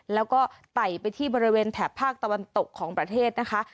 แล้วก็ไต่ไปที่บริเวณแถบภาคตะวันตกของประเทศนะคะ